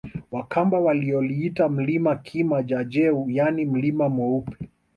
Wakamba walioita mlima Kima jaJeu yaani mlima mweupe